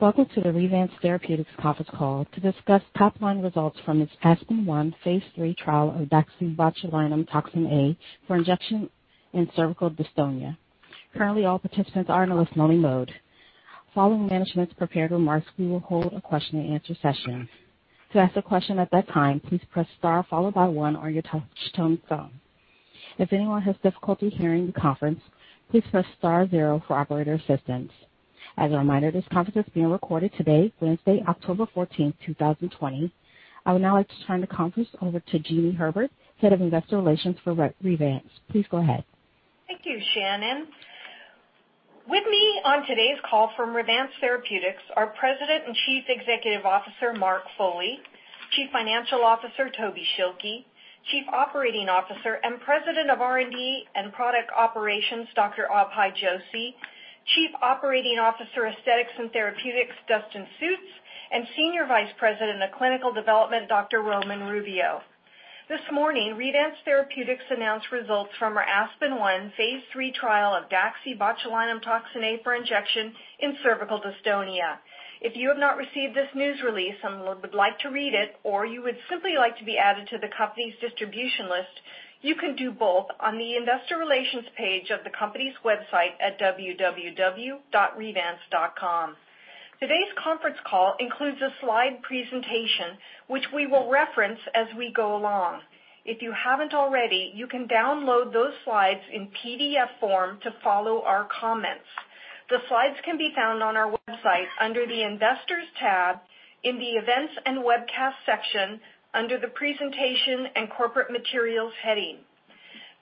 Welcome to the Revance Therapeutics conference call to discuss top-line results from its ASPEN1 phase III trial of daxibotulinumtoxinA for injection in cervical dystonia. Currently, all participants are in a listening mode. Following management's prepared remarks, we will hold a question and answer session. To ask a question at that time, please press star followed by one on your touchtone phone. If anyone has difficulty hearing the conference, please press star zero for operator assistance. As a reminder, this conference is being recorded today, Wednesday, October 14, 2020. I would now like to turn the conference over to Jeanie Herbert, Head of Investor Relations for Revance. Please go ahead. Thank you, Shannon. With me on today's call from Revance Therapeutics, are President and Chief Executive Officer, Mark Foley, Chief Financial Officer, Toby Schilke, Chief Operating Officer and President of R&D and Product Operations, Dr. Abhay Joshi, Chief Operating Officer, Aesthetics and Therapeutics, Dustin Sjuts, and Senior Vice President of Clinical Development, Dr. Roman Rubio. This morning, Revance Therapeutics announced results from our ASPEN-1 Phase III trial of daxibotulinumtoxinA for injection in cervical dystonia. If you have not received this news release and would like to read it, or you would simply like to be added to the company's distribution list, you can do both on the investor relations page of the company's website at www.revance.com. Today's conference call includes a slide presentation, which we will reference as we go along. If you haven't already, you can download those slides in PDF form to follow our comments. The slides can be found on our website under the Investors tab in the Events and Webcast section, under the Presentation and Corporate Materials heading.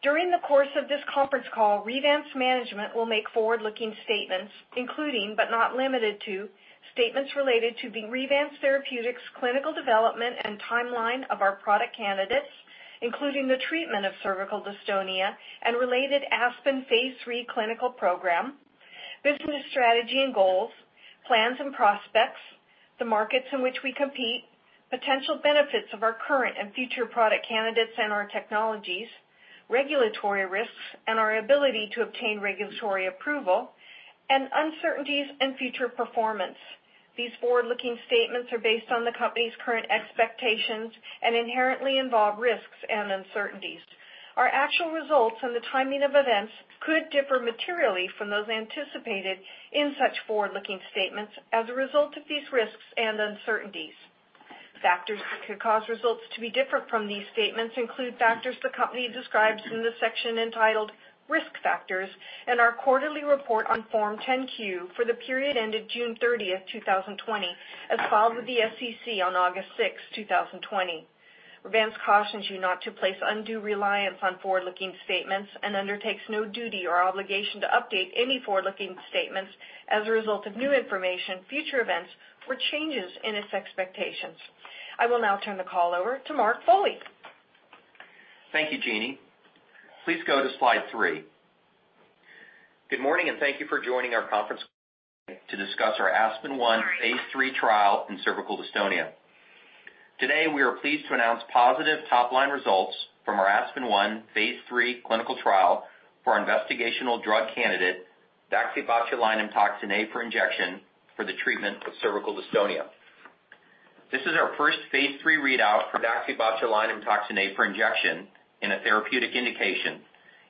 During the course of this conference call, Revance management will make forward-looking statements, including, but not limited to, statements related to Revance Therapeutics' clinical development and timeline of our product candidates, including the treatment of cervical dystonia and related ASPEN phase III clinical program, business strategy and goals, plans and prospects, the markets in which we compete, potential benefits of our current and future product candidates and our technologies, regulatory risks, and our ability to obtain regulatory approval, and uncertainties in future performance. These forward-looking statements are based on the company's current expectations and inherently involve risks and uncertainties. Our actual results and the timing of events could differ materially from those anticipated in such forward-looking statements as a result of these risks and uncertainties. Factors that could cause results to be different from these statements include factors the company describes in the section entitled Risk Factors in our quarterly report on Form 10-Q for the period ending June 30, 2020, as filed with the SEC on August 6, 2020. Revance cautions you not to place undue reliance on forward-looking statements and undertakes no duty or obligation to update any forward-looking statements as a result of new information, future events, or changes in its expectations. I will now turn the call over to Mark Foley. Thank you, Jeanie. Please go to slide three. Good morning, thank you for joining our conference today to discuss our ASPEN-1 Phase III trial in cervical dystonia. Today, we are pleased to announce positive top-line results from our ASPEN-1 Phase III clinical trial for our investigational drug candidate, daxibotulinumtoxinA for injection, for the treatment of cervical dystonia. This is our first Phase III readout for daxibotulinumtoxinA for injection in a therapeutic indication,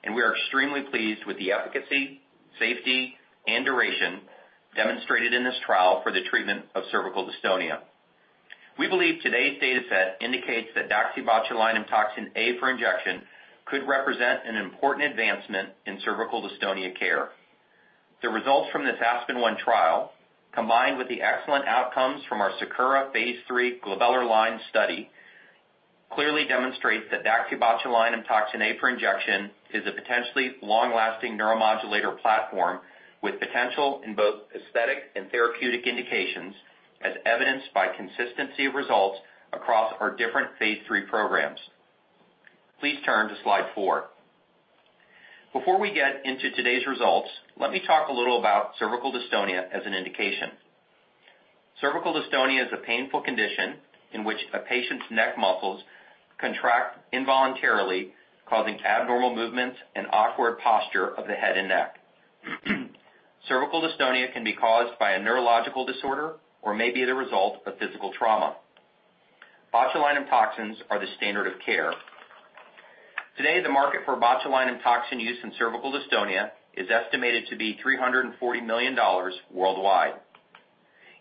and we are extremely pleased with the efficacy, safety, and duration demonstrated in this trial for the treatment of cervical dystonia. We believe today's dataset indicates that daxibotulinumtoxinA for injection could represent an important advancement in cervical dystonia care. The results from this ASPEN-1 trial, combined with the excellent outcomes from our SAKURA phase III glabellar lines study, clearly demonstrates that daxibotulinumtoxinA for injection is a potentially long-lasting neuromodulator platform with potential in both aesthetic and therapeutic indications, as evidenced by consistency of results across our different phase III programs. Please turn to slide four. Before we get into today's results, let me talk a little about cervical dystonia as an indication. Cervical dystonia is a painful condition in which a patient's neck muscles contract involuntarily, causing abnormal movements and awkward posture of the head and neck. Cervical dystonia can be caused by a neurological disorder or may be the result of physical trauma. Botulinum toxins are the standard of care. Today, the market for botulinum toxin use in cervical dystonia is estimated to be $340 million worldwide.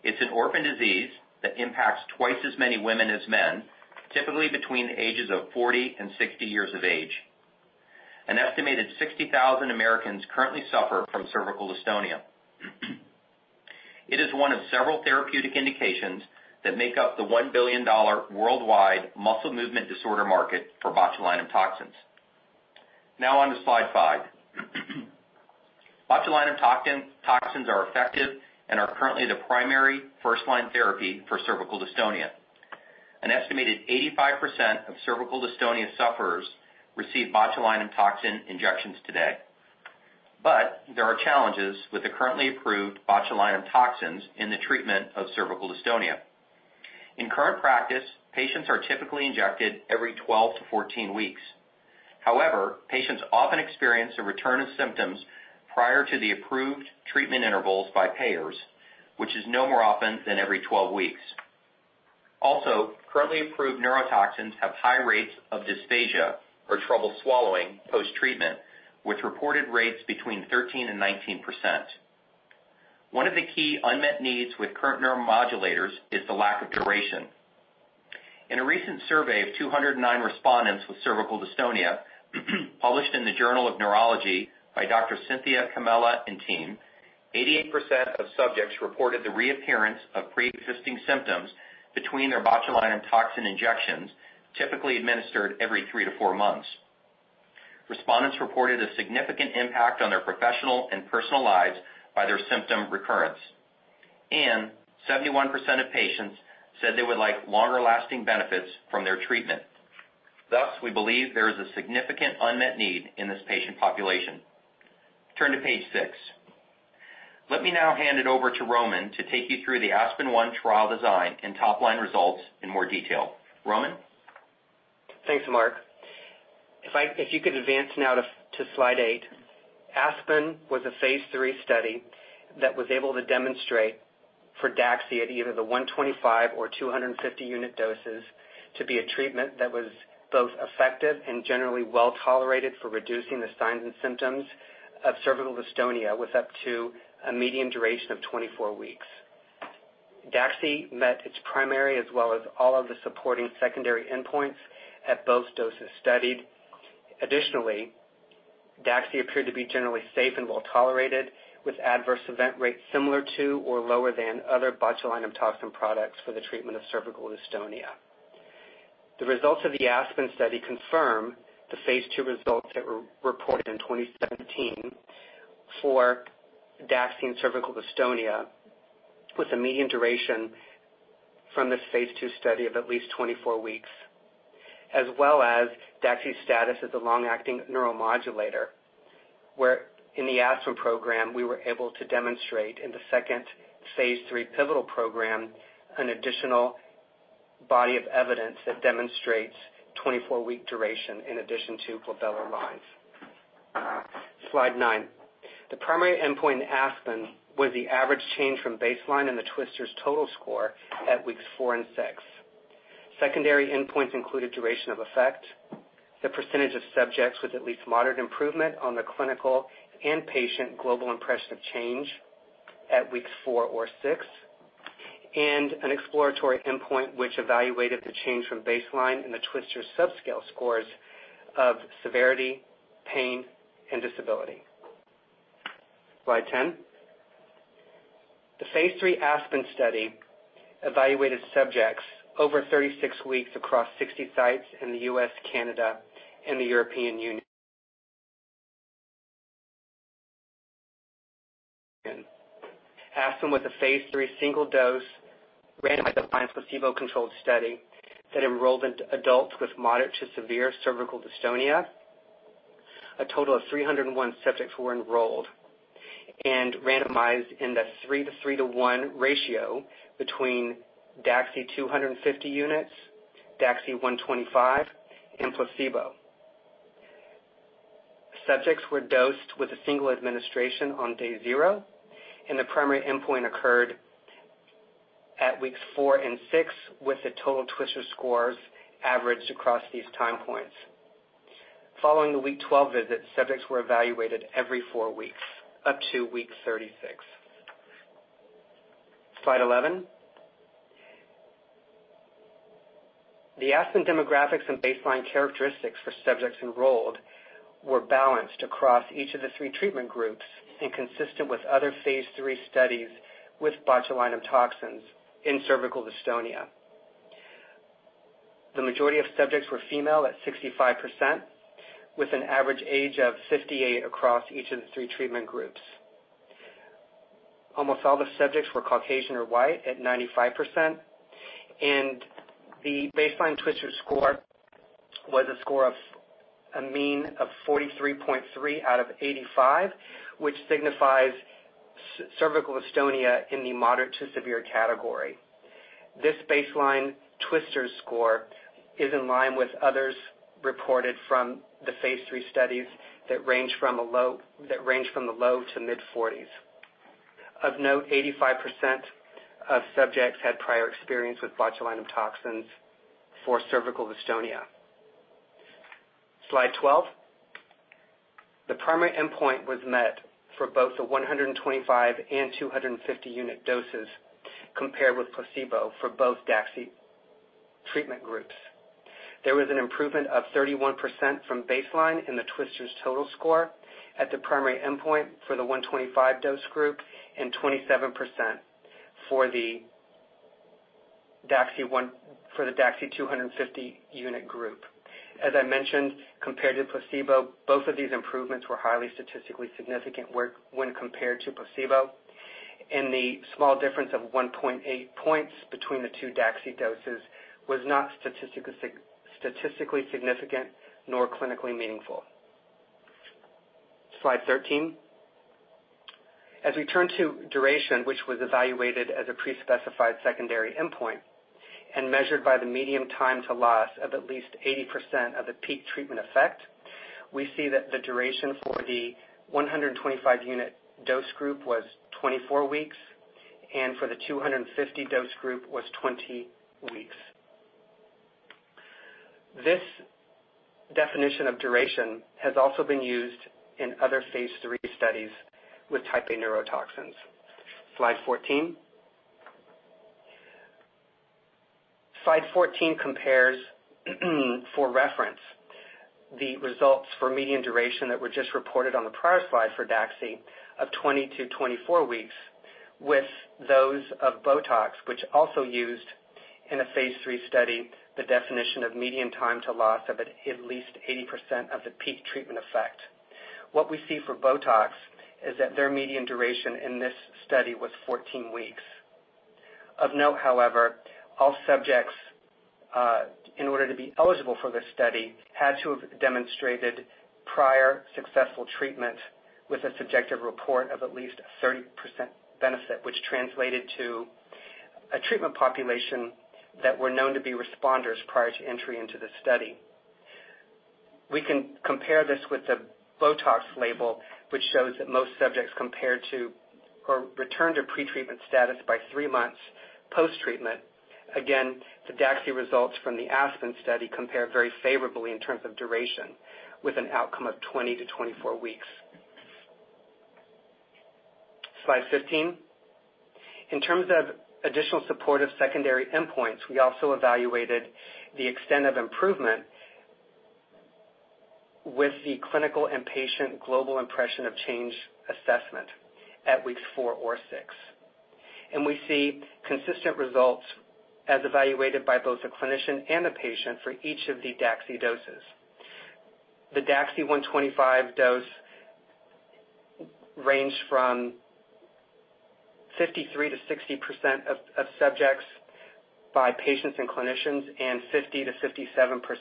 It's an orphan disease that impacts twice as many women as men, typically between the ages of 40 and 60 years of age. An estimated 60,000 Americans currently suffer from cervical dystonia. It is one of several therapeutic indications that make up the $1 billion worldwide muscle movement disorder market for botulinum toxins. On to slide five. Botulinum toxins are effective and are currently the primary first-line therapy for cervical dystonia. An estimated 85% of cervical dystonia sufferers receive botulinum toxin injections today. There are challenges with the currently approved botulinum toxins in the treatment of cervical dystonia. In current practice, patients are typically injected every 12 to 14 weeks. However, patients often experience a return of symptoms prior to the approved treatment intervals by payers, which is no more often than every 12 weeks. Currently approved neurotoxins have high rates of dysphagia or trouble swallowing post-treatment, with reported rates between 13% and 19%. One of the key unmet needs with current neuromodulators is the lack of duration. In a recent survey of 209 respondents with cervical dystonia, published in the Journal of Neurology by Dr. Cynthia Comella and team, 88% of subjects reported the reappearance of preexisting symptoms between their botulinum toxin injections, typically administered every three to four months. Respondents reported a significant impact on their professional and personal lives by their symptom recurrence, and 71% of patients said they would like longer lasting benefits from their treatment. Thus, we believe there is a significant unmet need in this patient population. Turn to page six. Let me now hand it over to Roman to take you through the ASPEN-1 trial design and top-line results in more detail. Roman? Thanks, Mark. If you could advance now to slide eight. ASPEN was a phase III study that was able to demonstrate for DAXI at either the 125 or 250 unit doses to be a treatment that was both effective and generally well-tolerated for reducing the signs and symptoms of cervical dystonia, with up to a median duration of 24 weeks. DAXI met its primary as well as all of the supporting secondary endpoints at both doses studied. Additionally, DAXI appeared to be generally safe and well-tolerated with adverse event rates similar to or lower than other botulinum toxin products for the treatment of cervical dystonia. The results of the ASPEN study confirm the phase II results that were reported in 2017 for DAXI in cervical dystonia, with a median duration from this phase II study of at least 24 weeks, as well as DAXI status as a long-acting neuromodulator, where in the ASPEN program we were able to demonstrate in the second phase III pivotal program an additional body of evidence that demonstrates 24 week duration in addition to glabellar lines. Slide nine. The primary endpoint in ASPEN was the average change from baseline in the TWSTRS total score at weeks four and six. Secondary endpoints included duration of effect, the percentage of subjects with at least moderate improvement on the Clinical Global Impression of Change and Patient Global Impression of Change at weeks four or six, and an exploratory endpoint which evaluated the change from baseline in the TWSTRS subscale scores of severity, pain, and disability. Slide 10. The phase III ASPEN study evaluated subjects over 36 weeks across 60 sites in the U.S., Canada, and the European Union. ASPEN was a phase III single dose randomized blind placebo-controlled study that enrolled adults with moderate to severe cervical dystonia. A total of 301 subjects were enrolled and randomized in the three to three to one ratio between DAXI 250 units, DAXI 125, and placebo. Subjects were dosed with a single administration on day zero, and the primary endpoint occurred at weeks four and six, with the total TWSTRS scores averaged across these time points. Following the week 12 visit, subjects were evaluated every four weeks up to week 36. Slide 11. The ASPEN demographics and baseline characteristics for subjects enrolled were balanced across each of the three treatment groups and consistent with other phase III studies with botulinum toxins in cervical dystonia. The majority of subjects were female at 65%, with an average age of 58 across each of the three treatment groups. Almost all the subjects were Caucasian or white at 95%, and the baseline TWSTRS score was a score of a mean of 43.3 out of 85, which signifies cervical dystonia in the moderate to severe category. This baseline TWSTRS score is in line with others reported from the phase III studies that range from the low to mid-40s. Of note, 85% of subjects had prior experience with botulinum toxins for cervical dystonia. Slide 12. The primary endpoint was met for both the 125 and 250 unit doses compared with placebo for both DAXI treatment groups. There was an improvement of 31% from baseline in the TWSTRS total score at the primary endpoint for the 125 dose group and 27% for the DAXI 250 unit group. As I mentioned, compared to placebo, both of these improvements were highly statistically significant when compared to placebo, and the small difference of 1.8 points between the two DAXI doses was not statistically significant nor clinically meaningful. Slide 13. As we turn to duration, which was evaluated as a pre-specified secondary endpoint and measured by the median time to loss of at least 80% of the peak treatment effect, we see that the duration for the 125 unit dose group was 24 weeks, and for the 250 dose group was 20 weeks. This definition of duration has also been used in other phase III studies with type A neurotoxins. Slide 14. Slide 14 compares, for reference, the results for median duration that were just reported on the prior slide for DAXI of 20-24 weeks with those of BOTOX, which also used, in a phase III study, the definition of median time to loss of at least 80% of the peak treatment effect. What we see for BOTOX is that their median duration in this study was 14 weeks. Of note, however, all subjects, in order to be eligible for this study, had to have demonstrated prior successful treatment with a subjective report of at least 30% benefit, which translated to a treatment population that were known to be responders prior to entry into the study. We can compare this with the BOTOX label, which shows that most subjects compared to or returned to pre-treatment status by three months post-treatment. Again, the DAXI results from the ASPEN study compare very favorably in terms of duration, with an outcome of 20-24 weeks. Slide 15. We also evaluated the extent of improvement with the Clinical Global Impression of Change and Patient Global Impression of Change assessment at weeks four or six. And we see consistent results as evaluated by both the clinician and the patient for each of the DAXI doses. The DAXI 125 dose ranged from 53%-60% of subjects by patients and clinicians, and 50%-57%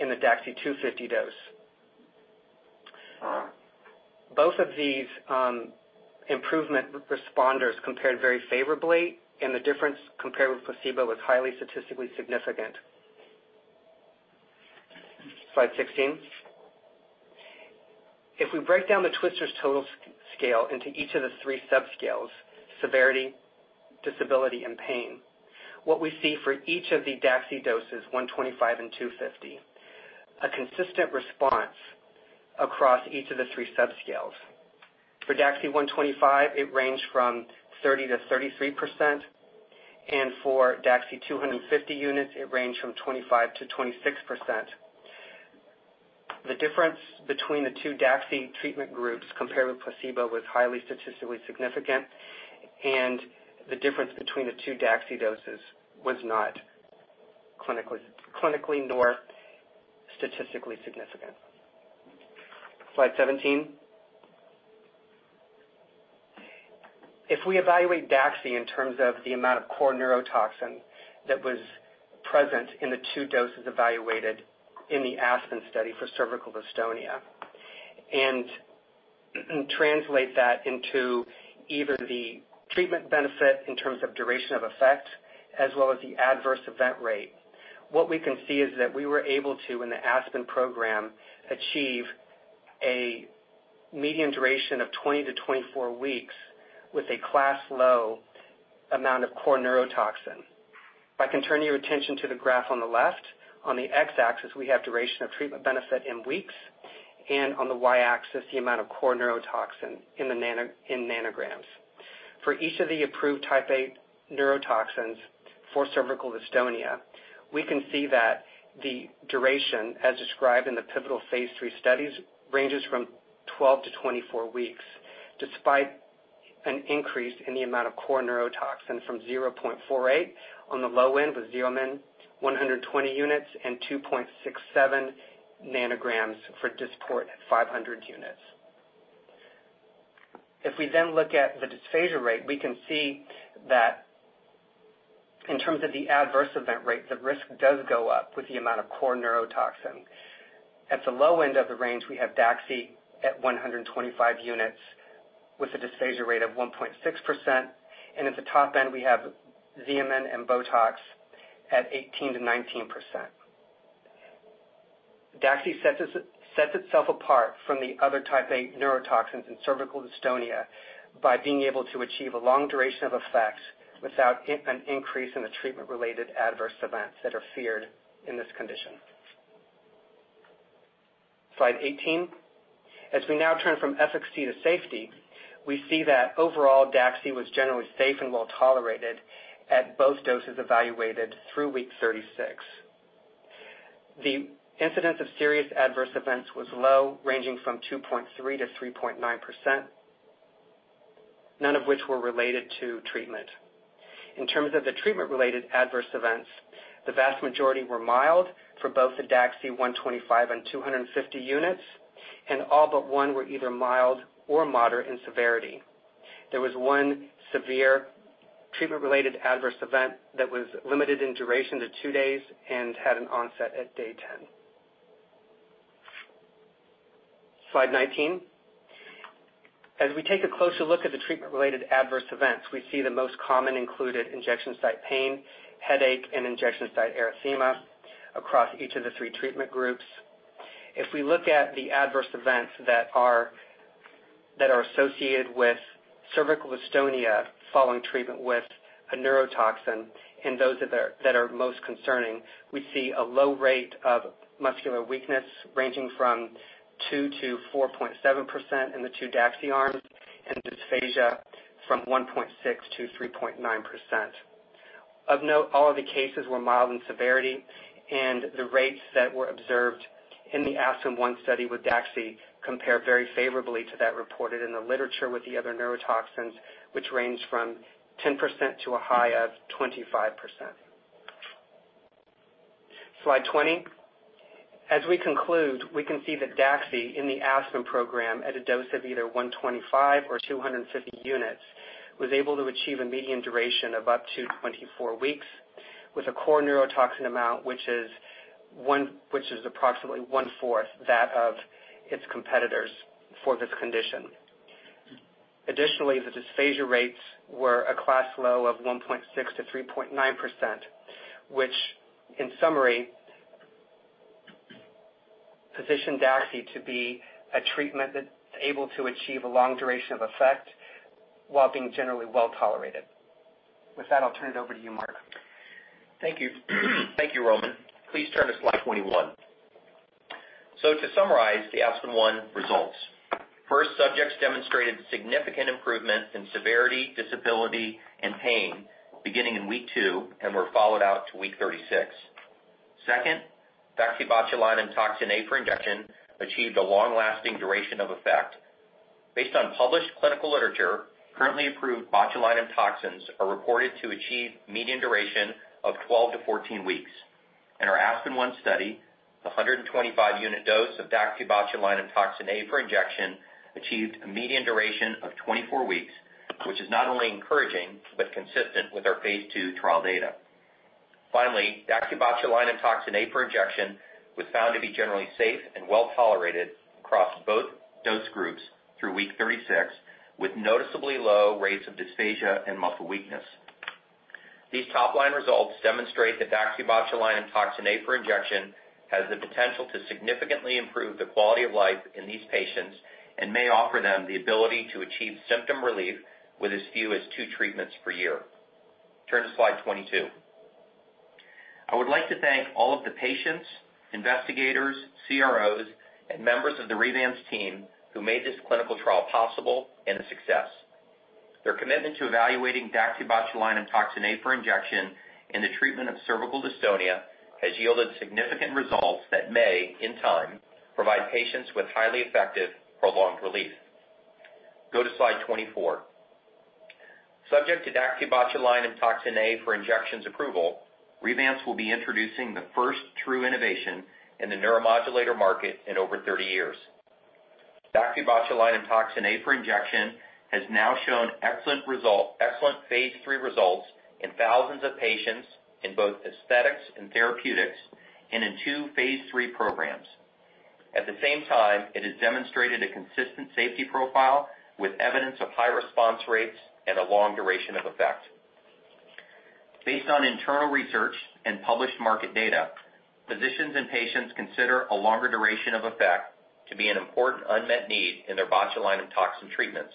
in the DAXI 250 dose. Both of these improvement responders compared very favorably, and the difference compared with placebo was highly statistically significant. Slide 16. If we break down the TWSTRS total scale into each of the three subscales, severity, disability, and pain, what we see for each of the DAXI doses, 125 and 250, a consistent response across each of the three subscales. For DAXI 125, it ranged from 30% to 33%, and for DAXI 250 units, it ranged from 25% to 26%. The difference between the two DAXI treatment groups compared with placebo was highly statistically significant, and the difference between the two DAXI doses was not clinically nor statistically significant. Slide 17. If we evaluate DAXI in terms of the amount of core neurotoxin that was present in the two doses evaluated in the ASPEN study for cervical dystonia, and translate that into either the treatment benefit in terms of duration of effect as well as the adverse event rate. What we can see is that we were able to, in the ASPEN program, achieve a median duration of 20-24 weeks with a class-low amount of core neurotoxin. If I can turn your attention to the graph on the left. On the X-axis, we have duration of treatment benefit in weeks, and on the Y-axis, the amount of core neurotoxin in nanograms. For each of the approved type A neurotoxins for cervical dystonia, we can see that the duration, as described in the pivotal phase III studies, ranges from 12-24 weeks, despite an increase in the amount of core neurotoxin from 0.48 on the low end with XEOMIN 120 units and 2.67 nanograms for DYSPORT at 500 units. We then look at the dysphagia rate, we can see that in terms of the adverse event rate, the risk does go up with the amount of core neurotoxin. At the low end of the range, we have DAXI at 125 units with a dysphagia rate of 1.6%, and at the top end, we have XEOMIN and BOTOX at 18%-19%. DAXI sets itself apart from the other type A neurotoxins in cervical dystonia by being able to achieve a long duration of effect without an increase in the treatment-related adverse events that are feared in this condition. Slide 18. We now turn from efficacy to safety, we see that overall, DAXI was generally safe and well-tolerated at both doses evaluated through week 36. The incidence of serious adverse events was low, ranging from 2.3%-3.9%, none of which were related to treatment. In terms of the treatment-related adverse events, the vast majority were mild for both the DAXI 125 and 250 units, and all but one were either mild or moderate in severity. There was one severe treatment-related adverse event that was limited in duration to two days and had an onset at day 10. Slide 19. As we take a closer look at the treatment-related adverse events, we see the most common included injection site pain, headache, and injection site erythema across each of the three treatment groups. If we look at the adverse events that are associated with cervical dystonia following treatment with a neurotoxin, and those that are most concerning, we see a low rate of muscular weakness ranging from 2% to 4.7% in the two DAXI arms, and dysphagia from 1.6% to 3.9%. Of note, all of the cases were mild in severity, and the rates that were observed in the ASPEN1 study with DAXI compare very favorably to that reported in the literature with the other neurotoxins, which range from 10% to a high of 25%. Slide 20. As we conclude, we can see that DAXI in the ASPEN program at a dose of either 125 or 250 units, was able to achieve a median duration of up to 24 weeks, with a core neurotoxin amount, which is approximately one-fourth that of its competitors for this condition. Additionally, the dysphagia rates were a class low of 1.6% to 3.9%, which, in summary, position DAXI to be a treatment that's able to achieve a long duration of effect while being generally well-tolerated. With that, I'll turn it over to you, Mark. Thank you, Roman. Please turn to slide 21. To summarize the ASPEN-1 results. First, subjects demonstrated significant improvement in severity, disability, and pain beginning in week two and were followed out to week 36. Second, daxibotulinumtoxinA for injection achieved a long-lasting duration of effect. Based on published clinical literature, currently approved botulinum toxins are reported to achieve median duration of 12 to 14 weeks. In our ASPEN1 study, 125-unit dose of daxibotulinumtoxinA for injection achieved a median duration of 24 weeks, which is not only encouraging, but consistent with our phase II trial data. Finally, daxibotulinumtoxinA for injection was found to be generally safe and well-tolerated across both dose groups through week 36, with noticeably low rates of dysphagia and muscle weakness. These top-line results demonstrate that daxibotulinumtoxinA for injection has the potential to significantly improve the quality of life in these patients and may offer them the ability to achieve symptom relief with as few as two treatments per year. Turn to slide 22. I would like to thank all of the patients, investigators, CROs, and members of the Revance team who made this clinical trial possible and a success. Their commitment to evaluating daxibotulinumtoxinA for injection in the treatment of cervical dystonia has yielded significant results that may, in time, provide patients with highly effective, prolonged relief. Go to slide 24. Subject to daxibotulinumtoxinA for injection's approval, Revance will be introducing the first true innovation in the neuromodulator market in over 30 years. DaxibotulinumtoxinA for injection has now shown excellent phase III results in thousands of patients in both aesthetics and therapeutics and in two phase III programs. At the same time, it has demonstrated a consistent safety profile with evidence of high response rates and a long duration of effect. Based on internal research and published market data, physicians and patients consider a longer duration of effect to be an important unmet need in their botulinum toxin treatments.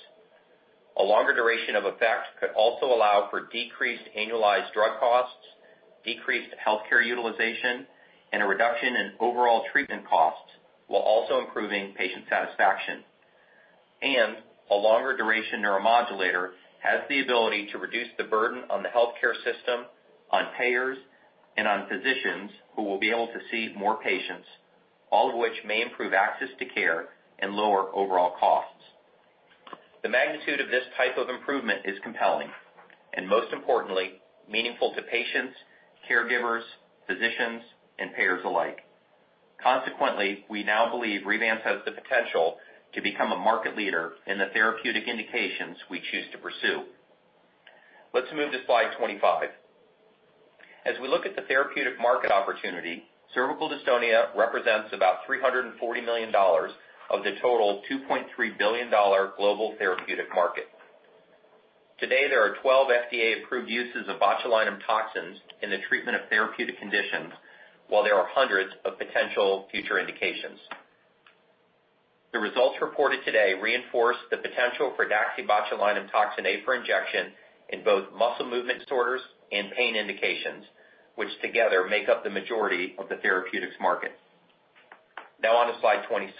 A longer duration of effect could also allow for decreased annualized drug costs, decreased healthcare utilization, and a reduction in overall treatment costs, while also improving patient satisfaction. A longer duration neuromodulator has the ability to reduce the burden on the healthcare system, on payers, and on physicians who will be able to see more patients, all of which may improve access to care and lower overall costs. The magnitude of this type of improvement is compelling, and most importantly, meaningful to patients, caregivers, physicians, and payers alike. Consequently, we now believe Revance has the potential to become a market leader in the therapeutic indications we choose to pursue. Let's move to slide 25. As we look at the therapeutic market opportunity, cervical dystonia represents about $340 million of the total $2.3 billion global therapeutic market. Today, there are 12 FDA-approved uses of botulinum toxins in the treatment of therapeutic conditions, while there are hundreds of potential future indications. The results reported today reinforce the potential for daxibotulinumtoxinA for injection in both muscle movement disorders and pain indications, which together make up the majority of the therapeutics market. Now on to slide 26.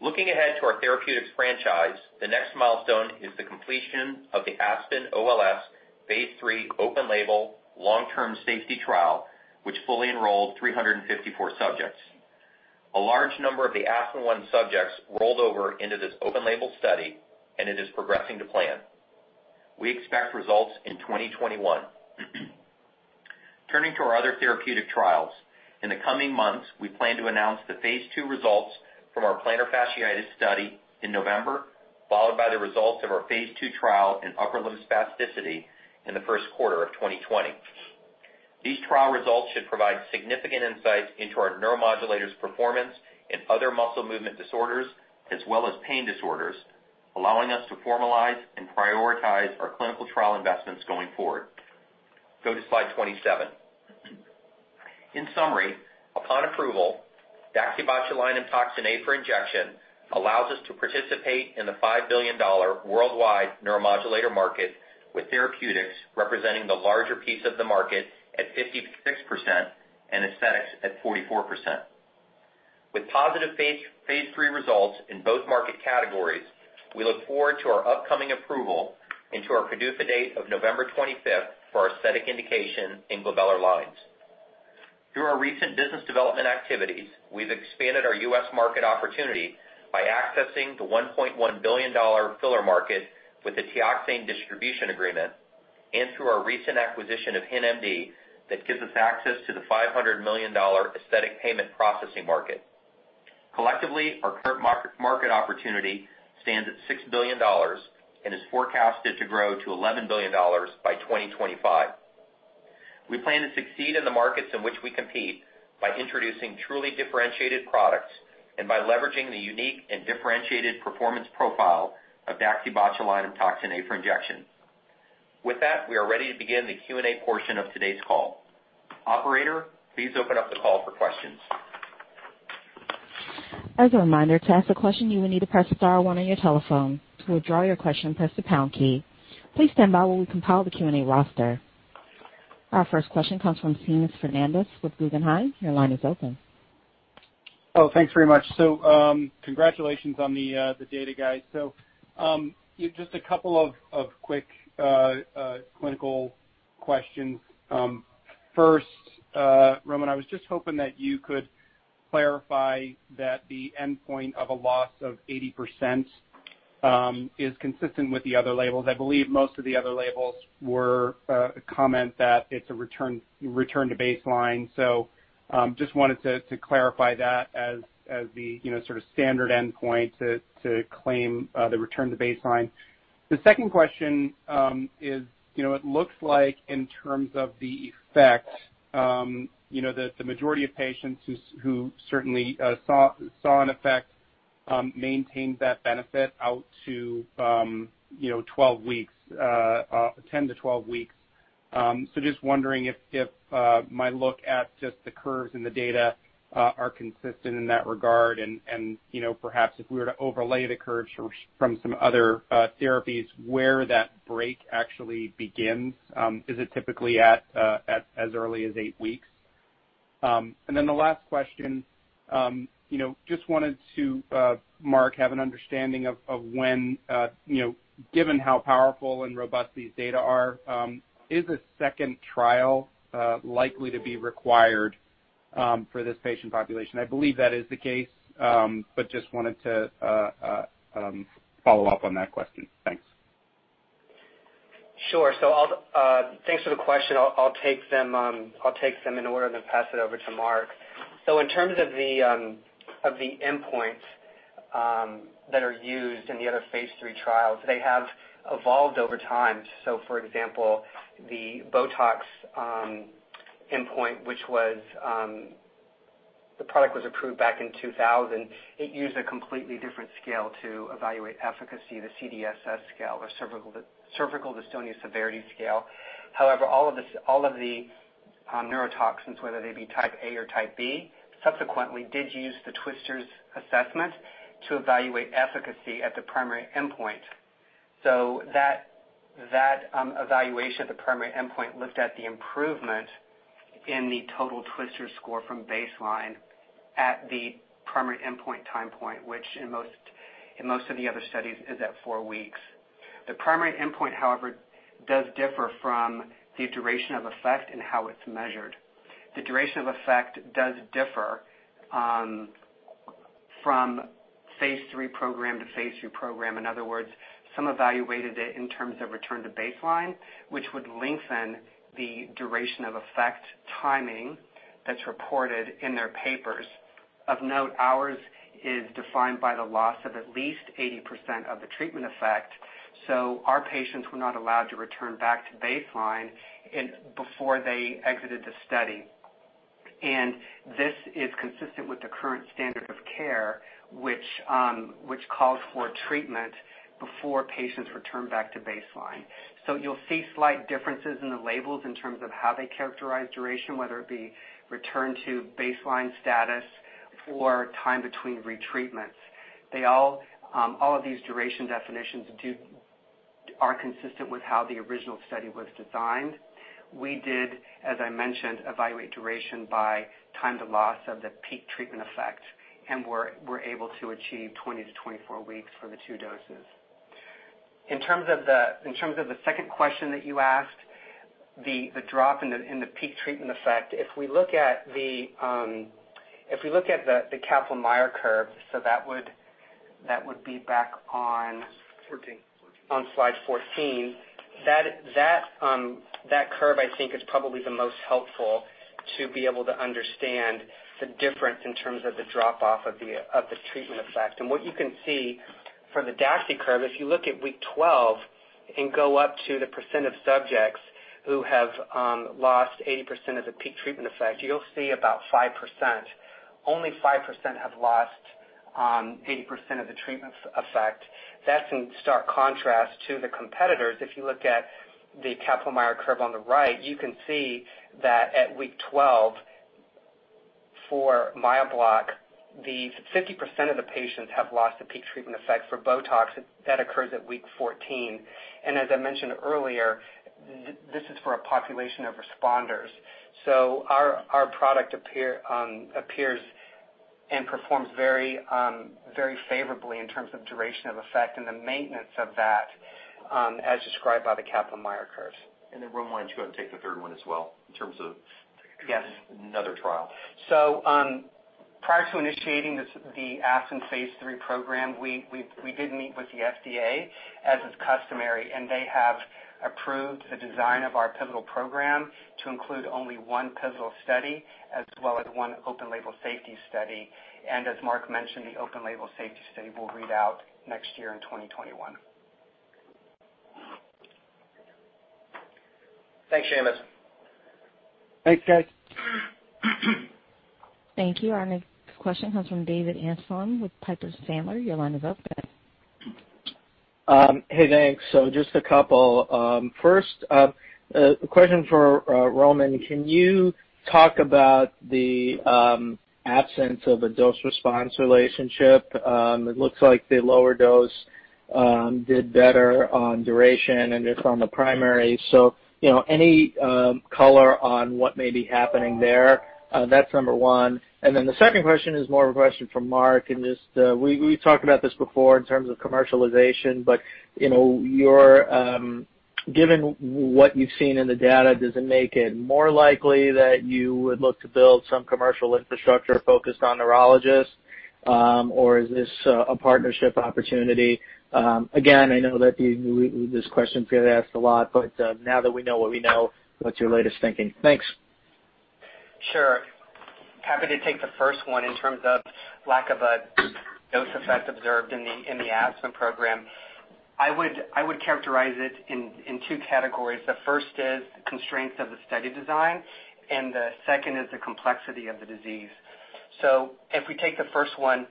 Looking ahead to our therapeutics franchise, the next milestone is the completion of the ASPEN-OLS phase III open label long-term safety trial, which fully enrolled 354 subjects. A large number of the ASPEN1 subjects rolled over into this open label study, and it is progressing to plan. We expect results in 2021. Turning to our other therapeutic trials. In the coming months, we plan to announce the phase II results from our plantar fasciitis study in November, followed by the results of our phase II trial in upper limb spasticity in the first quarter of 2020. These trial results should provide significant insights into our neuromodulators' performance in other muscle movement disorders as well as pain disorders, allowing us to formalize and prioritize our clinical trial investments going forward. Go to slide 27. In summary, upon approval, daxibotulinumtoxinA for injection allows us to participate in the $5 billion worldwide neuromodulator market, with therapeutics representing the larger piece of the market at 56% and aesthetics at 44%. With positive phase III results in both market categories, we look forward to our upcoming approval and to our PDUFA date of November 25th for our aesthetic indication in glabellar lines. Through our recent business development activities, we've expanded our U.S. market opportunity by accessing the $1.1 billion filler market with the Teoxane distribution agreement and through our recent acquisition of HintMD that gives us access to the $500 million aesthetic payment processing market. Collectively, our current market opportunity stands at $6 billion and is forecasted to grow to $11 billion by 2025. We plan to succeed in the markets in which we compete by introducing truly differentiated products and by leveraging the unique and differentiated performance profile of daxibotulinumtoxinA for injection. With that, we are ready to begin the Q&A portion of today's call. Operator, please open up the call for questions. Our first question comes from Seamus Fernandez with Guggenheim. Your line is open. Oh, thanks very much. Congratulations on the data, guys. Just a couple of quick clinical questions. First, Roman, I was just hoping that you could clarify that the endpoint of a loss of 80% is consistent with the other labels. I believe most of the other labels were a comment that it's a return to baseline. Just wanted to clarify that as the sort of standard endpoint to claim the return to baseline. The second question is, it looks like in terms of the effect, that the majority of patients who certainly saw an effect, maintained that benefit out to 10 to 12 weeks. Just wondering if my look at just the curves in the data are consistent in that regard and, perhaps if we were to overlay the curves from some other therapies where that break actually begins. Is it typically as early as eight weeks? The last question, just wanted to, Mark, have an understanding of when, given how powerful and robust these data are, is a second trial likely to be required for this patient population? I believe that is the case, just wanted to follow up on that question. Thanks. Sure. Thanks for the question. I'll take them in order, then pass it over to Mark. In terms of the endpoints that are used in the other phase III trials, they have evolved over time. For example, the BOTOX endpoint. The product was approved back in 2000. It used a completely different scale to evaluate efficacy, the CDSS scale or Cervical Dystonia Severity Scale. However, all of the neurotoxins, whether they be type A or type B, subsequently did use the TWSTRS assessment to evaluate efficacy at the primary endpoint. That evaluation at the primary endpoint looked at the improvement in the total TWSTRS score from baseline at the primary endpoint time point, which in most of the other studies is at four weeks. The primary endpoint, however, does differ from the duration of effect and how it's measured. The duration of effect does differ from phase III program to phase III program. In other words, some evaluated it in terms of return to baseline, which would lengthen the duration of effect timing that's reported in their papers. Of note, ours is defined by the loss of at least 80% of the treatment effect. Our patients were not allowed to return back to baseline before they exited the study. This is consistent with the current standard of care, which calls for treatment before patients return back to baseline. You'll see slight differences in the labels in terms of how they characterize duration, whether it be return to baseline status or time between retreatments. All of these duration definitions are consistent with how the original study was designed. We did, as I mentioned, evaluate duration by time to loss of the peak treatment effect, and were able to achieve 20 to 24 weeks for the two doses. In terms of the second question that you asked, the drop in the peak treatment effect, if we look at the Kaplan-Meier curve. That would be back on. 14 on slide 14. That curve, I think, is probably the most helpful to be able to understand the difference in terms of the drop-off of the treatment effect. What you can see from the DAXI curve, if you look at week 12 and go up to the percent of subjects who have lost 80% of the peak treatment effect, you'll see about 5%. Only 5% have lost 80% of the treatment effect. That's in stark contrast to the competitors. If you look at the Kaplan-Meier curve on the right, you can see that at week 12 for MYOBLOC, the 50% of the patients have lost the peak treatment effect. For BOTOX, that occurs at week 14. As I mentioned earlier, this is for a population of responders. Our product appears and performs very favorably in terms of duration of effect and the maintenance of that, as described by the Kaplan-Meier curves. Roman, why don't you go and take the third one as well. Yes another trial. Prior to initiating the ASPEN Phase III program, we did meet with the FDA, as is customary, and they have approved the design of our pivotal program to include only one pivotal study as well as one open-label safety study. As Mark mentioned, the open-label safety study will read out next year in 2021. Thanks, Seamus. Thanks, guys. Thank you. Our next question comes from David Amsellem with Piper Sandler. Your line is open. Hey, thanks. Just a couple. First, a question for Roman. Can you talk about the absence of a dose-response relationship? It looks like the lower dose did better on duration and just on the primary. Any color on what may be happening there? That's number one. The second question is more of a question for Mark, and we've talked about this before in terms of commercialization, but given what you've seen in the data, does it make it more likely that you would look to build some commercial infrastructure focused on neurologists? Or is this a partnership opportunity? Again, I know that this question gets asked a lot, but now that we know what we know, what's your latest thinking? Thanks. Sure. Happy to take the first one in terms of lack of a dose effect observed in the ASPEN program. I would characterize it in two categories. The first is constraints of the study design, and the second is the complexity of the disease. If we take the first one,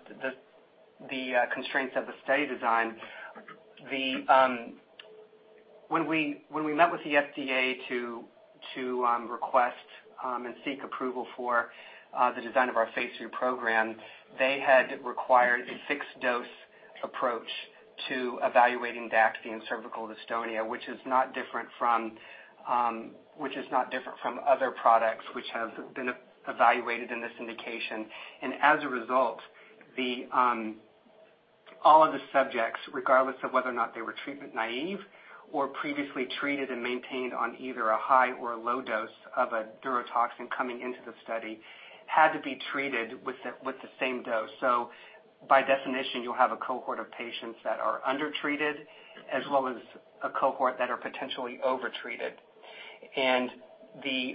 the constraints of the study design, when we met with the FDA to request and seek approval for the design of our phase III program, they had required a fixed dose approach to evaluating DAXI in cervical dystonia, which is not different from other products which have been evaluated in this indication. As a result, all of the subjects, regardless of whether or not they were treatment naive or previously treated and maintained on either a high or a low dose of a neurotoxin coming into the study, had to be treated with the same dose. By definition, you'll have a cohort of patients that are undertreated as well as a cohort that are potentially overtreated. The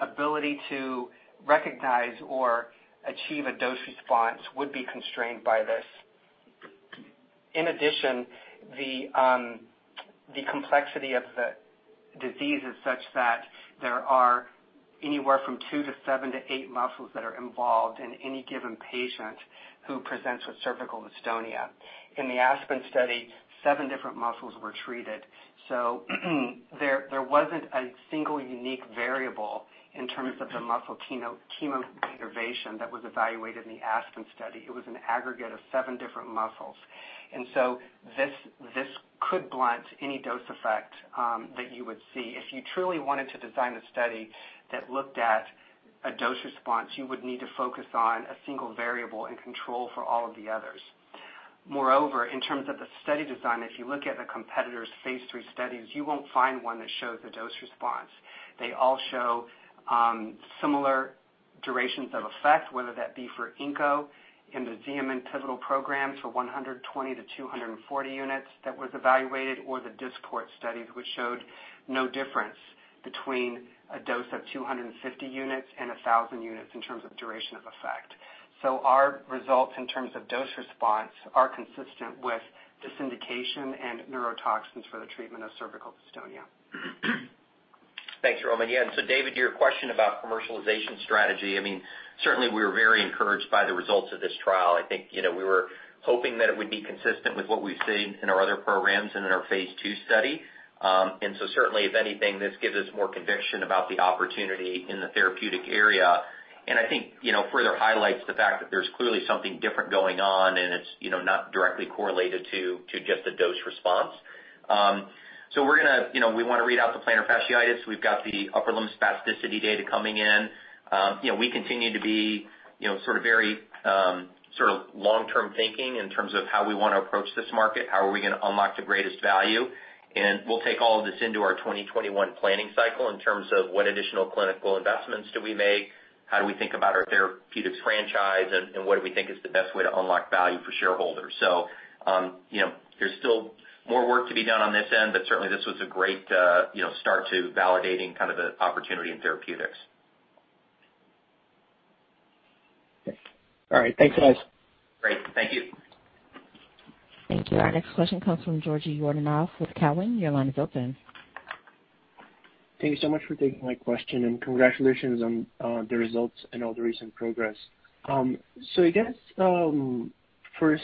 ability to recognize or achieve a dose response would be constrained by this. In addition, the complexity of the disease is such that there are anywhere from two to seven to eight muscles that are involved in any given patient who presents with cervical dystonia. In the ASPEN study, seven different muscles were treated. There wasn't a single unique variable in terms of the muscle chemodenervation that was evaluated in the ASPEN study. It was an aggregate of seven different muscles. This could blunt any dose effect that you would see. If you truly wanted to design a study that looked at a dose response, you would need to focus on a single variable and control for all of the others. In terms of the study design, if you look at the competitor's phase III studies, you won't find one that shows a dose response. They all show similar durations of effect, whether that be for incobotulinumtoxinA in the XEOMIN pivotal program for 120-240 units that was evaluated, or the DYSPORT studies, which showed no difference between a dose of 250 units and 1,000 units in terms of duration of effect. Our results in terms of dose response are consistent with this indication and neurotoxins for the treatment of cervical dystonia. Thanks, Roman. David, to your question about commercialization strategy, certainly we were very encouraged by the results of this trial. I think we were hoping that it would be consistent with what we've seen in our other programs and in our phase II study. Certainly, if anything, this gives us more conviction about the opportunity in the therapeutic area. I think further highlights the fact that there's clearly something different going on and it's not directly correlated to just a dose response. We want to read out the plantar fasciitis. We've got the upper limb spasticity data coming in. We continue to be very long-term thinking in terms of how we want to approach this market. How are we going to unlock the greatest value? We'll take all of this into our 2021 planning cycle in terms of what additional clinical investments do we make? How do we think about our therapeutics franchise, and what do we think is the best way to unlock value for shareholders. There's still more work to be done on this end, but certainly, this was a great start to validating kind of the opportunity in therapeutics. All right. Thanks, guys. Great. Thank you. Thank you. Our next question comes from Georgi Yordanov with Cowen. Your line is open. Thank you so much for taking my question, and congratulations on the results and all the recent progress. I guess, first,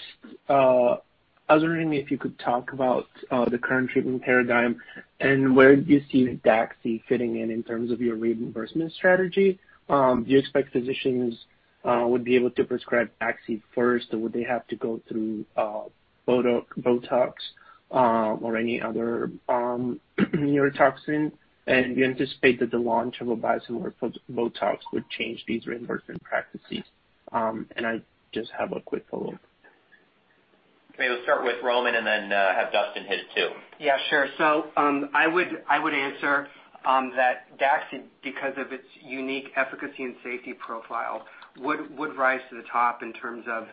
I was wondering if you could talk about the current treatment paradigm and where you see DAXI fitting in in terms of your reimbursement strategy. Do you expect physicians would be able to prescribe DAXI first, or would they have to go through BOTOX or any other neurotoxin? Do you anticipate that the launch of a biosimilar for BOTOX would change these reimbursement practices? I just have a quick follow-up. Okay. We'll start with Roman and then have Dustin hit it too. Yeah, sure. I would answer that DAXI, because of its unique efficacy and safety profile, would rise to the top in terms of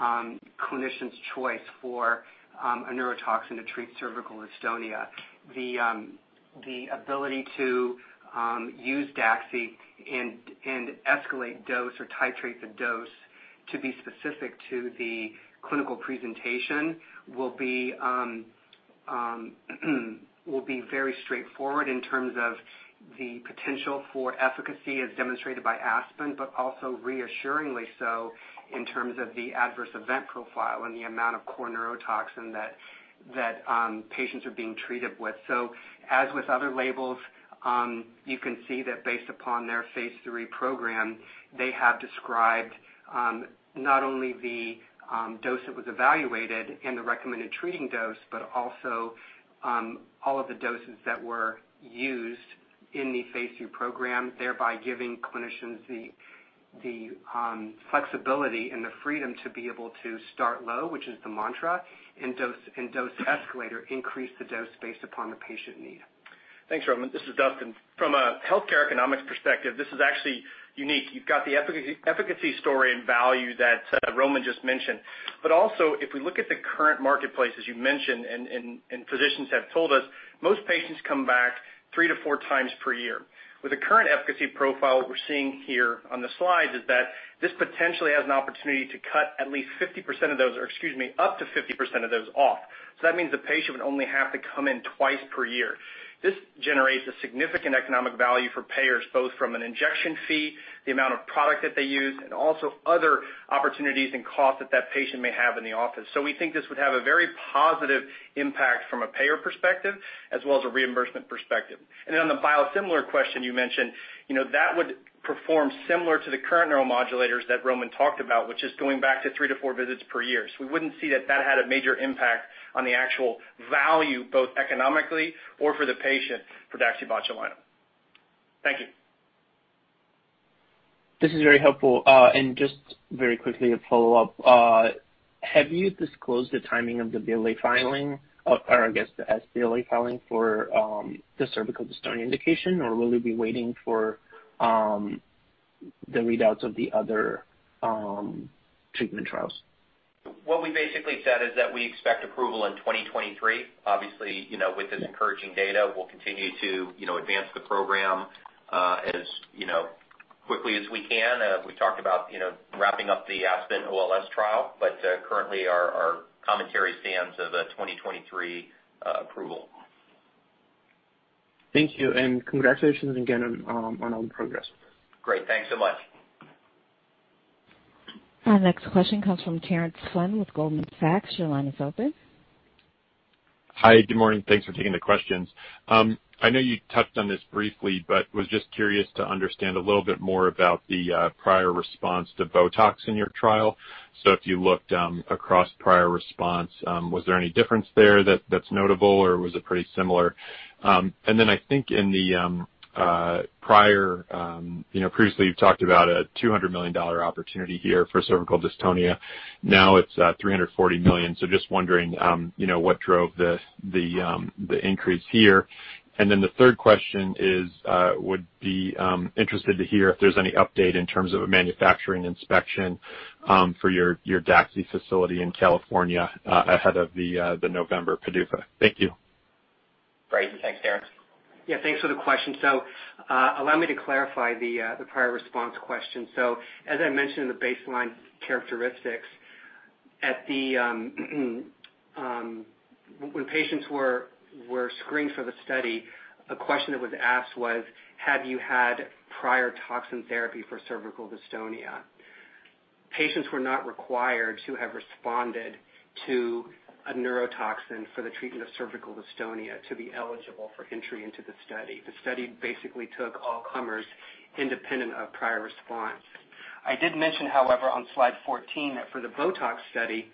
clinicians' choice for a neurotoxin to treat cervical dystonia. The ability to use DAXI and escalate dose or titrate the dose to be specific to the clinical presentation will be very straightforward in terms of the potential for efficacy as demonstrated by ASPEN, but also reassuringly so in terms of the adverse event profile and the amount of core neurotoxin that patients are being treated with. As with other labels, you can see that based upon their phase III program, they have described not only the dose that was evaluated and the recommended treating dose, but also all of the doses that were used in the phase II program, thereby giving clinicians the flexibility and the freedom to be able to start low, which is the mantra, and dose escalate or increase the dose based upon the patient need. Thanks, Roman. This is Dustin. From a healthcare economics perspective, this is actually unique. You've got the efficacy story and value that Roman just mentioned. Also, if we look at the current marketplace, as you mentioned and physicians have told us, most patients come back three to four times per year. With the current efficacy profile, what we're seeing here on the slides is that this potentially has an opportunity to cut at least 50% of those or, excuse me, up to 50% of those off. That means the patient would only have to come in twice per year. This generates a significant economic value for payers, both from an injection fee, the amount of product that they use, and also other opportunities and costs that that patient may have in the office. We think this would have a very positive impact from a payer perspective as well as a reimbursement perspective. On the biosimilar question you mentioned, that would perform similar to the current neuromodulators that Roman talked about, which is going back to three to four visits per year. We wouldn't see that that had a major impact on the actual value, both economically or for the patient for daxibotulinum. Thank you. This is very helpful. Just very quickly a follow-up. Have you disclosed the timing of the BLA filing, or I guess the sBLA filing for the cervical dystonia indication, or will you be waiting for the readouts of the other treatment trials? What we basically said is that we expect approval in 2023. Obviously, with this encouraging data, we'll continue to advance the program as quickly as we can. We talked about wrapping up the ASPEN-OLS trial, but currently our commentary stands of a 2023 approval. Thank you. Congratulations again on all the progress. Great. Thanks so much. Our next question comes from Terence Flynn with Goldman Sachs. Your line is open. Hi. Good morning. Thanks for taking the questions. I know you touched on this briefly, but was just curious to understand a little bit more about the prior response to BOTOX in your trial. If you looked across prior response, was there any difference there that's notable, or was it pretty similar? I think previously, you've talked about a $200 million opportunity here for cervical dystonia. Now it's $340 million. Just wondering what drove the increase here. The third question is, would be interested to hear if there's any update in terms of a manufacturing inspection for your DAXI facility in California ahead of the November PDUFA. Thank you. Great. Thanks, Terence. Yeah, thanks for the question. Allow me to clarify the prior response question. As I mentioned in the baseline characteristics, when patients were screened for the study, a question that was asked was, "Have you had prior toxin therapy for cervical dystonia?" Patients were not required to have responded to a neurotoxin for the treatment of cervical dystonia to be eligible for entry into the study. The study basically took all comers independent of prior response. I did mention, however, on slide 14, that for the BOTOX study,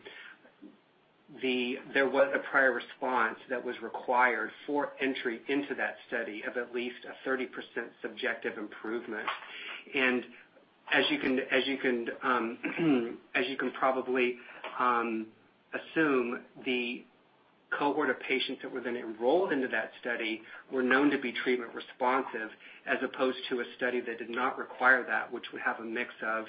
there was a prior response that was required for entry into that study of at least a 30% subjective improvement. As you can probably assume, the cohort of patients that were then enrolled into that study were known to be treatment responsive, as opposed to a study that did not require that, which would have a mix of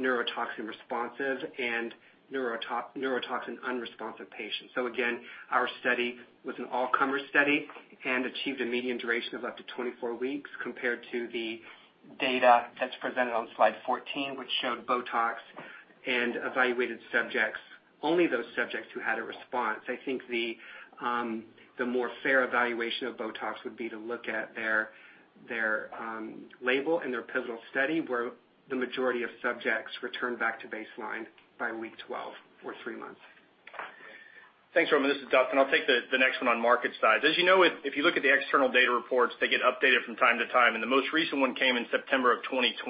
neurotoxin responsive and neurotoxin unresponsive patients. Again, our study was an all-comer study and achieved a median duration of up to 24 weeks compared to the data that's presented on slide 14, which showed BOTOX and evaluated subjects, only those subjects who had a response. I think the more fair evaluation of BOTOX would be to look at their label and their pivotal study where the majority of subjects returned back to baseline by week 12 or three months. Thanks, Roman. This is Dustin. I'll take the next one on market size. As you know, if you look at the external data reports, they get updated from time to time. The most recent one came in September 2020.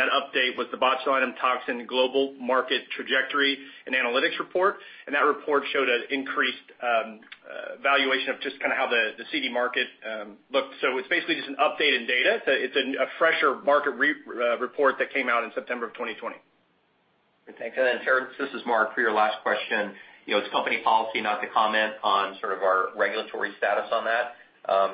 That update was the Botulinum Toxin - Global Market Trajectory & Analytics. That report showed an increased valuation of just how the CD market looks. It's basically just an updated data. It's a fresher market report that came out in September 2020. Thanks. Terence, this is Mark for your last question. It's company policy not to comment on our regulatory status on that.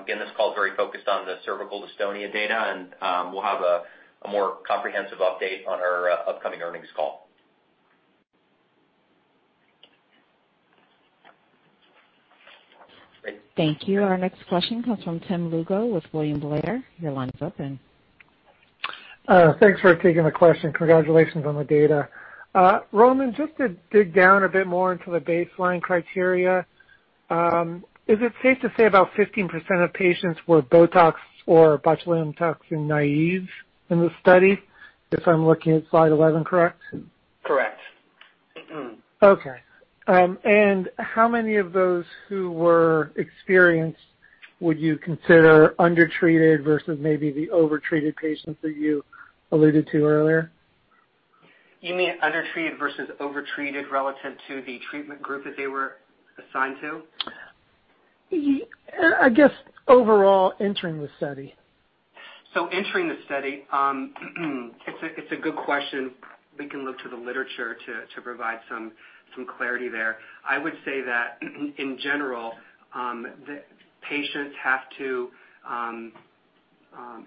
Again, this call is very focused on the cervical dystonia data, and we'll have a more comprehensive update on our upcoming earnings call. Thank you. Our next question comes from Tim Lugo with William Blair. Your line is open. Thanks for taking the question. Congratulations on the data. Roman, just to dig down a bit more into the baseline criteria, is it safe to say about 15% of patients were BOTOX or botulinum toxin naives in the study? If I'm looking at slide 11, correct? Correct. Okay. How many of those who were experienced would you consider undertreated versus maybe the overtreated patients that you alluded to earlier? You mean undertreated versus overtreated relative to the treatment group that they were assigned to? I guess overall entering the study. Entering the study, it's a good question. We can look to the literature to provide some clarity there. I would say that in general, patients,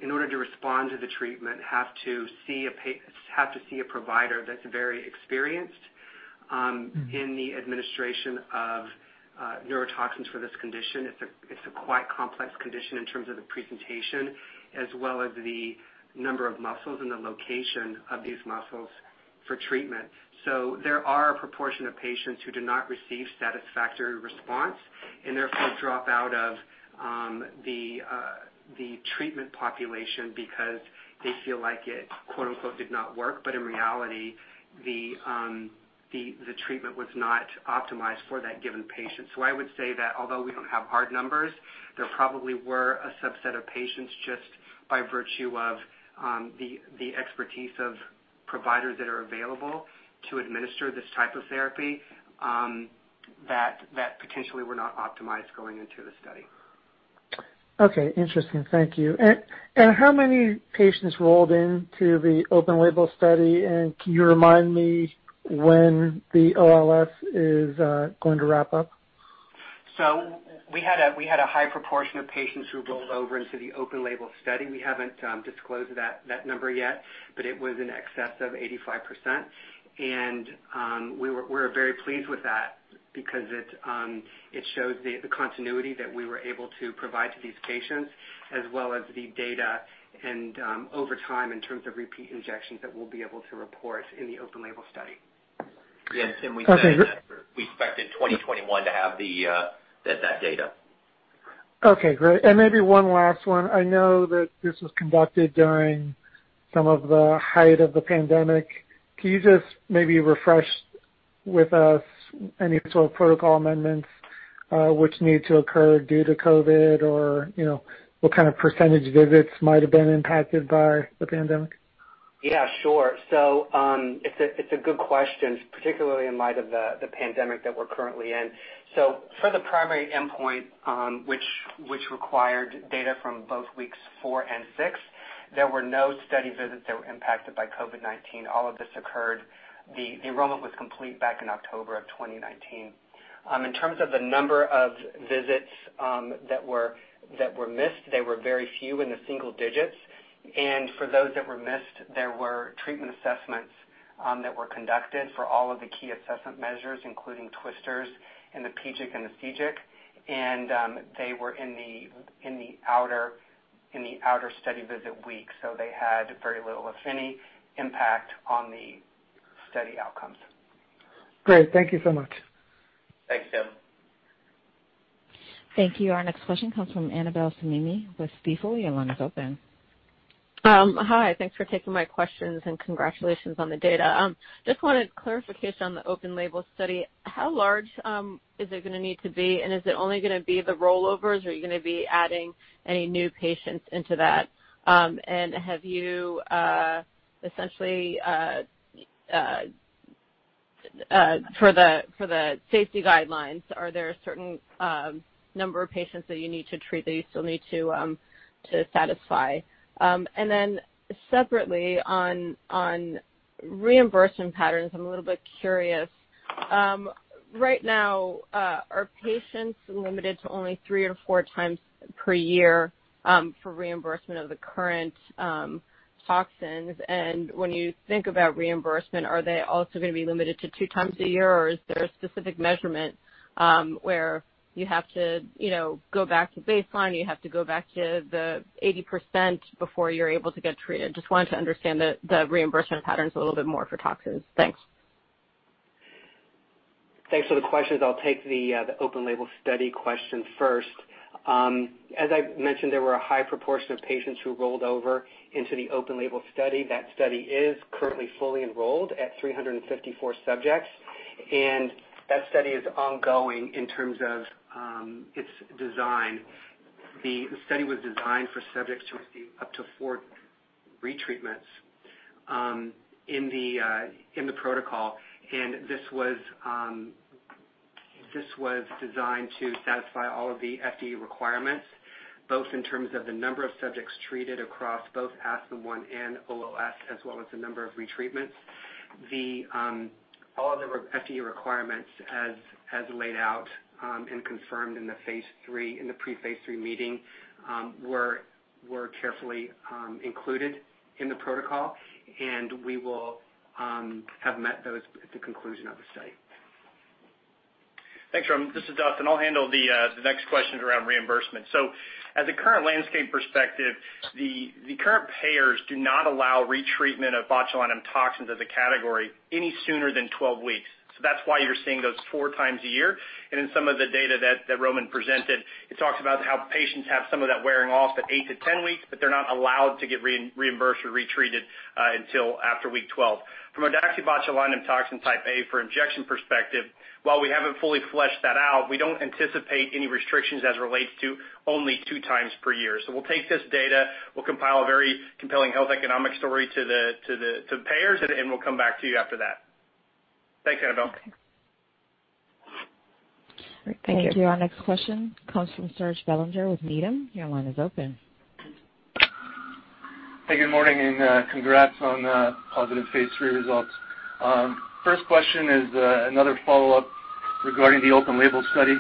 in order to respond to the treatment, have to see a provider that's very experienced in the administration of neurotoxins for this condition. It's a quite complex condition in terms of the presentation as well as the number of muscles and the location of these muscles for treatment. There are a proportion of patients who do not receive satisfactory response and therefore drop out of the treatment population because they feel like it, quote-unquote, "did not work." In reality, the treatment was not optimized for that given patient. I would say that although we don't have hard numbers, there probably were a subset of patients just by virtue of the expertise of providers that are available to administer this type of therapy, that potentially were not optimized going into the study. Okay, interesting. Thank you. How many patients rolled into the open label study? Can you remind me when the OLS is going to wrap up? We had a high proportion of patients who rolled over into the open label study. We haven't disclosed that number yet, but it was in excess of 85%. We're very pleased with that because it shows the continuity that we were able to provide to these patients as well as the data over time in terms of repeat injections that we'll be able to report in the open label study. Yeah, Tim, we said that we expected 2021 to have that data. Okay, great. Maybe one last one. I know that this was conducted during some of the height of the pandemic. Can you just maybe refresh with us any sort of protocol amendments, which needed to occur due to COVID? What kind of percentage visits might've been impacted by the pandemic? Sure. It's a good question, particularly in light of the pandemic that we're currently in. For the primary endpoint, which required data from both weeks four and six, there were no study visits that were impacted by COVID-19. The enrollment was complete back in October of 2019. In terms of the number of visits that were missed, they were very few, in the single digits. For those that were missed, there were treatment assessments that were conducted for all of the key assessment measures, including TWSTRS and the PGIC and the CGIC. They were in the outer study visit weeks, they had very little, if any, impact on the study outcomes. Great. Thank you so much. Thanks, Tim. Thank you. Our next question comes from Annabel Samimy with Stifel. Your line is open. Hi. Thanks for taking my questions and congratulations on the data. Just wanted clarification on the open label study. How large is it going to need to be, and is it only going to be the rollovers, or are you going to be adding any new patients into that? Have you, essentially for the safety guidelines, are there a certain number of patients that you need to treat that you still need to satisfy? Separately, on reimbursement patterns, I'm a little bit curious Right now, are patients limited to only three or four times per year for reimbursement of the current toxins? When you think about reimbursement, are they also going to be limited to two times a year, or is there a specific measurement where you have to go back to baseline, you have to go back to the 80% before you're able to get treated? Just wanted to understand the reimbursement patterns a little bit more for toxins. Thanks. Thanks for the questions. I'll take the open-label study question first. As I mentioned, there were a high proportion of patients who rolled over into the open-label study. That study is currently fully enrolled at 354 subjects, and that study is ongoing in terms of its design. The study was designed for subjects to receive up to four retreatments in the protocol, and this was designed to satisfy all of the FDA requirements, both in terms of the number of subjects treated across both ASPEN-1 and OLS, as well as the number of retreatments. All the FDA requirements as laid out and confirmed in the pre-phase III meeting, were carefully included in the protocol, and we will have met those at the conclusion of the study. Thanks, Roman. This is Dustin. I'll handle the next questions around reimbursement. As a current landscape perspective, the current payers do not allow retreatment of botulinum toxins as a category any sooner than 12 weeks. That's why you're seeing those four times a year. In some of the data that Roman presented, it talks about how patients have some of that wearing off at eight to 10 weeks, but they're not allowed to get reimbursed or retreated until after week 12. From a daxibotulinumtoxinA type A for injection perspective, while we haven't fully fleshed that out, we don't anticipate any restrictions as it relates to only two times per year. We'll take this data, we'll compile a very compelling health economic story to the payers, and we'll come back to you after that. Thanks, Annabel. Okay. Thank you. Our next question comes from Serge Belanger with Needham. Your line is open. Good morning, congrats on the positive phase III results. First question is another follow-up regarding the open-label study.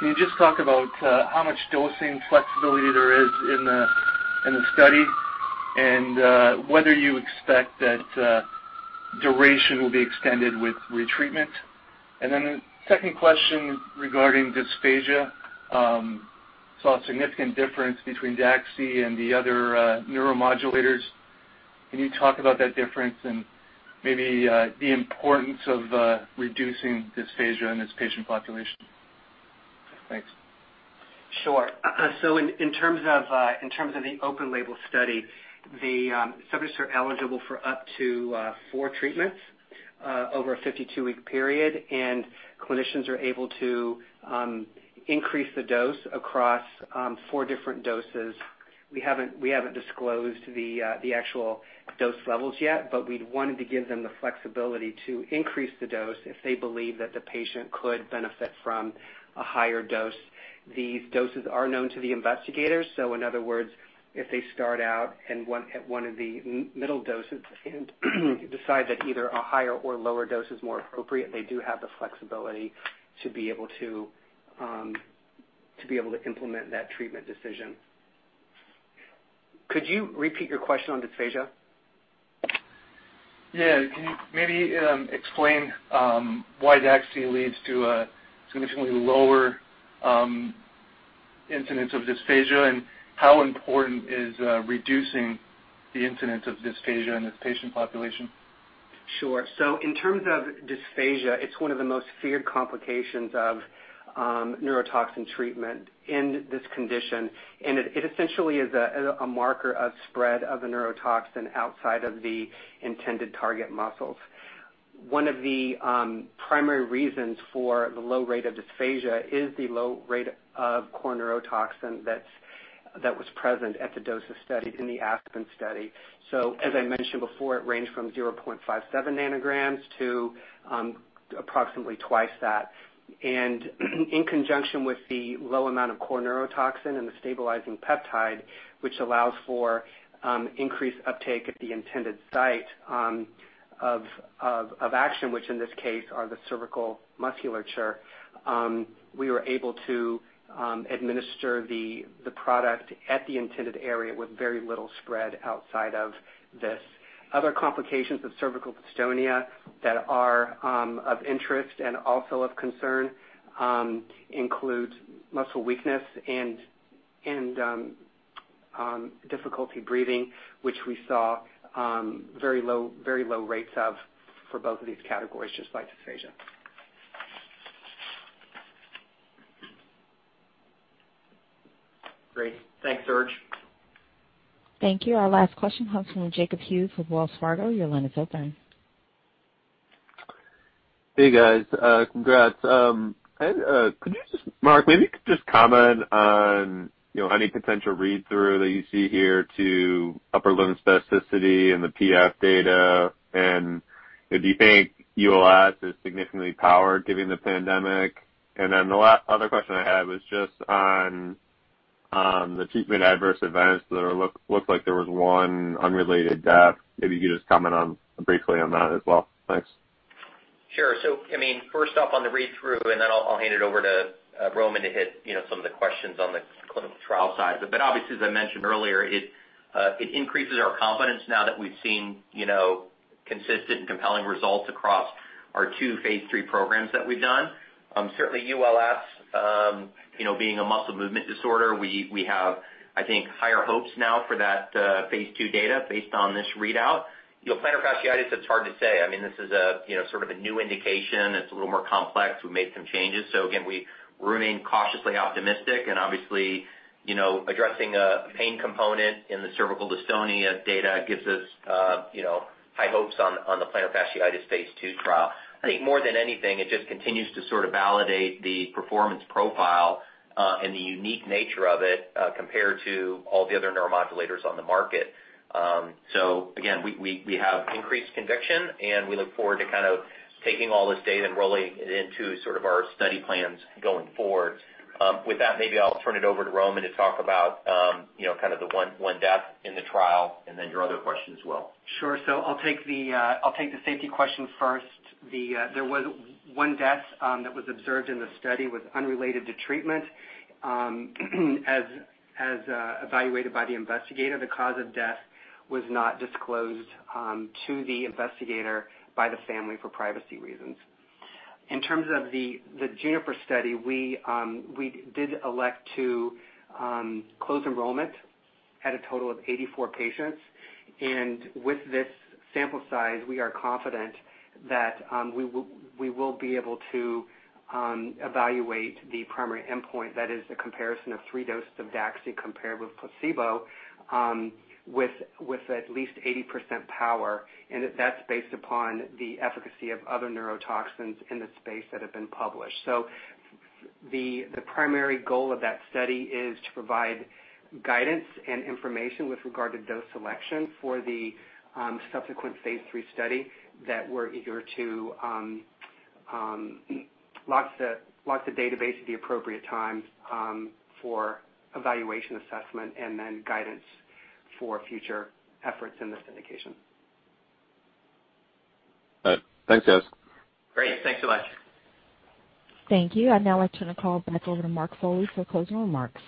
Can you just talk about how much dosing flexibility there is in the study, whether you expect that duration will be extended with retreatment? The second question regarding dysphagia. Saw a significant difference between DAXI and the other neuromodulators. Can you talk about that difference and maybe the importance of reducing dysphagia in this patient population? Thanks. In terms of the open-label study, the subjects are eligible for up to four treatments over a 52-week period, and clinicians are able to increase the dose across four different doses. We haven't disclosed the actual dose levels yet, but we'd wanted to give them the flexibility to increase the dose if they believe that the patient could benefit from a higher dose. These doses are known to the investigators. In other words, if they start out at one of the middle doses and decide that either a higher or lower dose is more appropriate, they do have the flexibility to be able to implement that treatment decision. Could you repeat your question on dysphagia? Yeah. Can you maybe explain why DAXI leads to a significantly lower incidence of dysphagia, and how important is reducing the incidence of dysphagia in this patient population? Sure. In terms of dysphagia, it's one of the most feared complications of neurotoxin treatment in this condition, and it essentially is a marker of spread of a neurotoxin outside of the intended target muscles. One of the primary reasons for the low rate of dysphagia is the low rate of core neurotoxin that was present at the doses studied in the ASPEN study. As I mentioned before, it ranged from 0.57 nanograms to approximately twice that. In conjunction with the low amount of core neurotoxin and the stabilizing peptide, which allows for increased uptake at the intended site of action, which in this case are the cervical musculature, we were able to administer the product at the intended area with very little spread outside of this. Other complications of cervical dystonia that are of interest and also of concern include muscle weakness and difficulty breathing, which we saw very low rates of for both of these categories, just like dysphagia. Great. Thanks, Serge. Thank you. Our last question comes from Jacob Hughes with Wells Fargo. Your line is open. Hey, guys. Congrats. Mark, maybe you could just comment on any potential read-through that you see here to upper limb spasticity in the PF data, do you think ULS is significantly powered given the pandemic? The other question I had was just on the treatment adverse events, there looked like there was one unrelated death. Maybe you could just comment briefly on that as well. Thanks. Sure. First off, on the read-through, then I'll hand it over to Roman to hit some of the questions on the clinical trial side. Obviously, as I mentioned earlier, it increases our confidence now that we've seen consistent and compelling results across our two phase III programs that we've done. Certainly, ULS, being a muscle movement disorder, we have, I think, higher hopes now for that phase II data based on this readout. Plantar fasciitis, it's hard to say. This is sort of a new indication. It's a little more complex. We made some changes. Again, we remain cautiously optimistic and obviously, addressing a pain component in the cervical dystonia data gives us high hopes on the plantar fasciitis phase II trial. I think more than anything, it just continues to sort of validate the performance profile and the unique nature of it compared to all the other neuromodulators on the market. Again, we have increased conviction, and we look forward to taking all this data and rolling it into our study plans going forward. With that, maybe I'll turn it over to Roman to talk about the one death in the trial and then your other question as well. Sure. I'll take the safety question first. There was one death that was observed in the study, was unrelated to treatment, as evaluated by the investigator. The cause of death was not disclosed to the investigator by the family for privacy reasons. In terms of the JUNIPER study, we did elect to close enrollment at a total of 84 patients. With this sample size, we are confident that we will be able to evaluate the primary endpoint, that is the comparison of three doses of DAXI compared with placebo, with at least 80% power. That's based upon the efficacy of other neurotoxins in the space that have been published. The primary goal of that study is to provide guidance and information with regard to dose selection for the subsequent phase III study that we're eager to launch the database at the appropriate time for evaluation, assessment, and then guidance for future efforts in this indication. All right. Thanks, guys. Great. Thanks a lot. Thank you. I'd now like to turn the call back over to Mark Foley for closing remarks.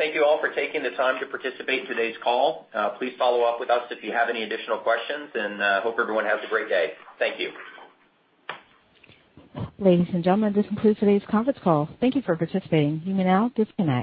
Great. Thank you all for taking the time to participate in today's call. Please follow up with us if you have any additional questions. Hope everyone has a great day. Thank you. Ladies and gentlemen, this concludes today's conference call. Thank you for participating. You may now disconnect.